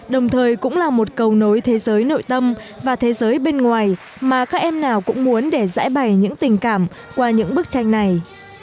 đồng thời cũng là một cầu nối thế giới nội tâm và thế giới bên ngoài mà các em nào cũng muốn để giải bày những tình cảm qua những bức tranh này